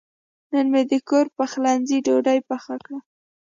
نن مې د کور پخلنځي ډوډۍ پخه کړه.